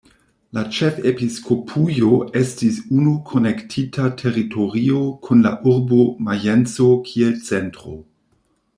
La "ĉefepiskopujo" estis unu konektita teritorio kun la urbo Majenco kiel centro.